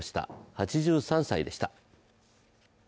８３歳でした。